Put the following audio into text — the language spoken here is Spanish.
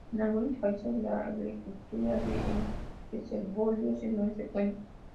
En algunos países, la acuicultura en reservorios es muy frecuente.